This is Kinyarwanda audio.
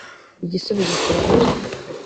igisubizo kirahari